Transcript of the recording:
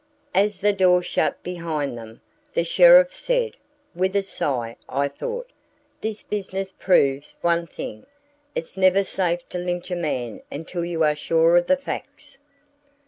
As the door shut behind them, the sheriff said (with a sigh, I thought), "This business proves one thing: it's never safe to lynch a man until you are sure of the facts."